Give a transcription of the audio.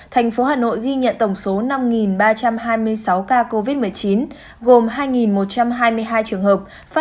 thành phố hà nội ghi nhận tổng số năm ba trăm hai mươi sáu ca covid một mươi chín gồm hai một trăm hai mươi hai trường hợp